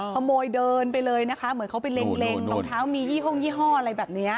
ขโมยเดินไปเลยนะคะเหมือนเขาไปเล็งรองเท้ามียี่ห้องยี่ห้ออะไรแบบนี้